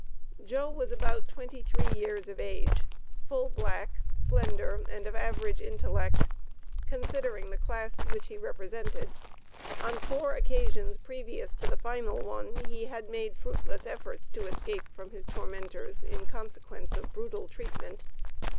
Joe was about twenty three years of age, full black, slender, and of average intellect, considering the class which he represented. On four occasions previous to the final one he had made fruitless efforts to escape from his tormentors in consequence of brutal treatment.